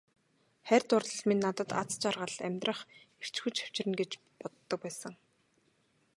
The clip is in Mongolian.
Хайр дурлал минь надад аз жаргал, амьдрах эрч хүч авчирна гэж боддог байсан.